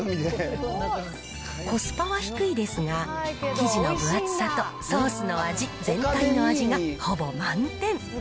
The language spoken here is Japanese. コスパは低いですが、生地の分厚さとソースの味、全体の味がほぼ満点。